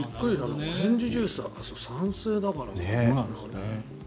オレンジジュースは酸性だから。